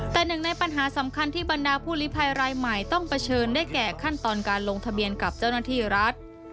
แต่หนึ่งในปัญหาสำคัญที่บรรดาผู้ลิภัยรายใหม่ต้องเผชิญได้แก่ขั้นตอนการลงทะเบียนกับเจ้าหน้าที่รัฐ